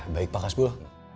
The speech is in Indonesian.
baik pak kasbul